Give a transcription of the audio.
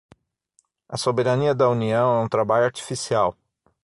A soberania da União é um trabalho artificial.